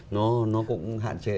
nó cũng hạn chế